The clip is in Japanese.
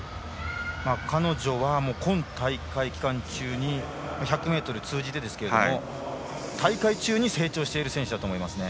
彼女は今大会期間中に１００ｍ通じてですが大会中に成長している選手だと思いますね。